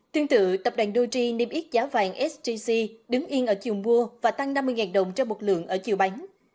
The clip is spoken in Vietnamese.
tương tự tập đoàn doji niêm yết giá vàng sgc đứng yên ở chiều mua và tăng năm mươi đồng cho một lượng ở chiều bán